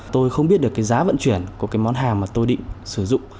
tôi không biết được cái giá vận chuyển của cái món hàng mà tôi định sử dụng